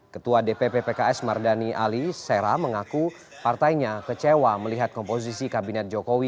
ketua dpp pks mardani ali sera mengaku partainya kecewa melihat komposisi kabinet jokowi